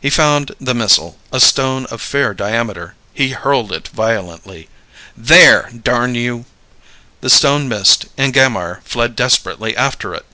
He found the missile, a stone of fair diameter. He hurled it violently. "There, darn you!" The stone missed, and Gammire fled desperately after it.